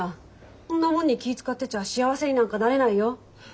そんなもんに気ぃ遣ってちゃ幸せになんかなれないよ。